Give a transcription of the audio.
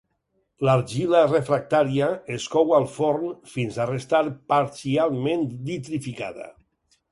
L'argila refractària es cou al forn fins a restar parcialment vitrificada.